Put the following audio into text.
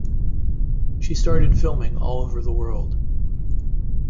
She started filming all over the world.